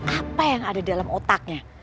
apa yang ada dalam otaknya